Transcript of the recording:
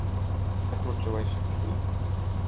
Zakluczyłeś drzwi?